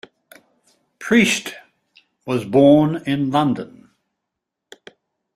Priest was born in London.